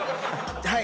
はい！